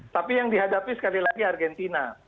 tapi yang dihadapi sekali lagi argentina